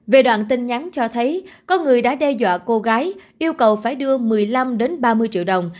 về đoạn tin nhắn cho thấy có người đã đe dọa cô gái yêu cầu phải đưa một mươi năm ba mươi triệu đồng